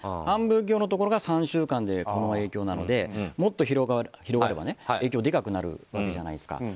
半分強のところが３週間でこの影響なのでもっと広がれば影響がでかくなるわけじゃないですか。